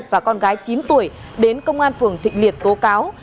và con gái chín tuổi đến công an phường thịnh liệt tố cáo